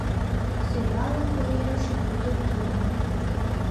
Сӧралын коеш кудыр тумо.